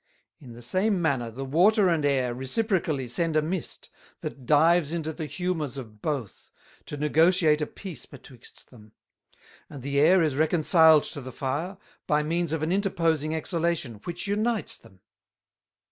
In the same manner, the Water and Air reciprocally send a Mist, that dives into the Humours of both, to negotiate a Peace betwixt them; and the Air is reconciled to the Fire, by means of an interposing Exhalation which Unites them."